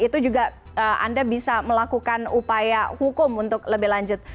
itu juga anda bisa melakukan upaya hukum untuk lebih lanjut